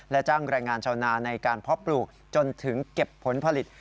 และจ้างแรงงานชาวนาในการเพาะปลูกจนถึงเก็บผลผลิต